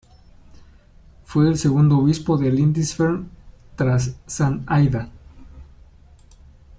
Fue el segundo obispo de Lindisfarne, tras San Aidan.